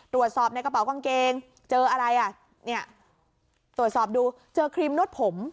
ตรวจสอบในกระเป๋ากางเกงเจออะไรอ่ะเนี่ยตรวจสอบดูเจอครีมนวดผม